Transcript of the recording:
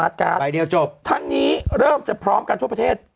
แต่ได้ยินข่าวนี้ก็ดีใจเลย